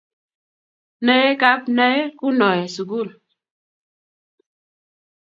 nae kab nae kunoe sukul